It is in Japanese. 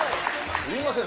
すみません。